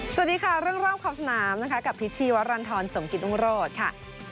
สวัสดีค่ะเรื่องรอบขอบสนามนะคะกับพิษชีวรรณฑรสมกิตรุงโรธค่ะ